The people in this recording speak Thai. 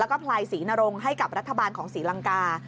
แล้วก็พลายศรีนรงให้กับรัฐบาลของศรีลังกา